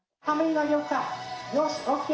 よし、ＯＫ。